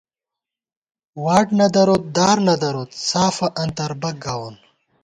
واٹ نہ دروت، دار نہ دروت ،سافہ انتر بَک گاوون